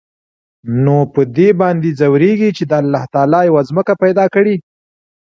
نو په دې باندې ځوريږي چې د الله تعال يوه ځمکه پېدا کړى.